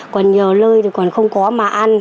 còn nhiều lơi còn không có mà ăn